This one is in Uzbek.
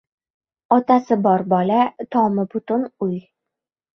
• Otasi bor bola — tomi butun uy.